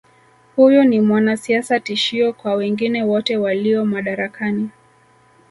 Huyu ni mwanasiasa tishio kwa wengine wote walio madarakani